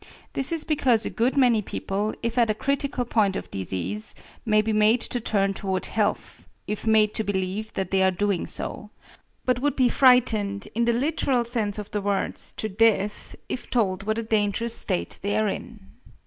This is because a good many people, if at a critical point of disease, may be made to turn toward health if made to believe that they are doing so, but would be frightened, in the literal sense of the words, to death, if told what a dangerous state they are in.